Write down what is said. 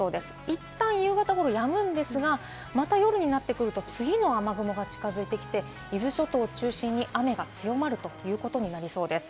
いったん夕方ごろやむんですが、夜になってくると、次の雨雲が近づいてきて、伊豆諸島を中心に雨が強まるということになりそうです。